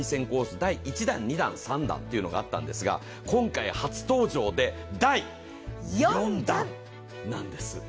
第１弾、２弾、３弾というのがあったんですが今回初登場で第４弾なんです。